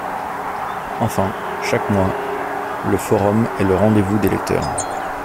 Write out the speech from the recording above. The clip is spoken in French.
Enfin, chaque mois, le Forum est le rendez-vous des lecteurs.